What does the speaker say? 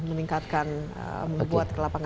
meningkatkan membuat kelapa kota